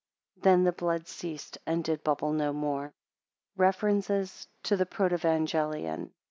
then the blood ceased, and did bubble no more." REFERENCES TO THE PROTEVANGELION.